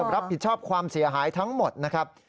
รับผิดชอบความเสียหายทั้งหมดนะครับ